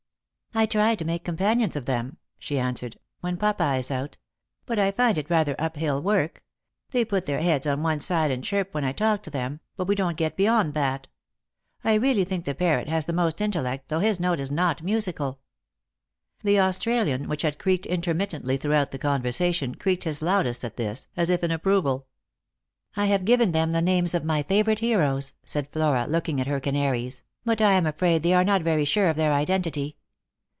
"I try to make companions of them," she answered, "when papa is out. But I find it rather uphill work. They put their heads on one side and chirp when I talk to them, but we don't get beyond that. I really think the parrot has the most intellect, though his note is not musical." The Australian, which had creaked intermittently through out the conversation, creaked his loudest at this, as if in approval. " I have given them the names of my favourite heroes," said Flora, looking at her canaries, " but I am afraid they are not very sure of their identity.